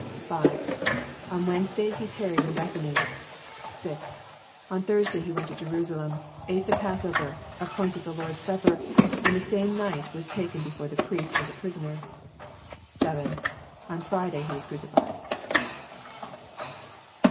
(5) On Wednesday He tarried in Bethany. (6) On Thursday He went to Jerusalem, ate the passover, appointed the liOrd's Sapper, and the same night was taken before the priests as a prisoner. (7) On Friday He was cracifled.